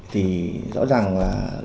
thì rõ ràng là